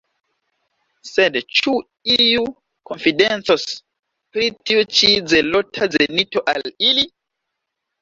Sed ĉu iu konfidencos pri tiu ĉi zelota zenito al ili?